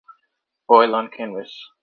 Oil On Canvas.